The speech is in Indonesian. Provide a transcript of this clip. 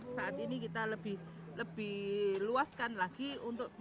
saat ini kita lebih luaskan lagi untuk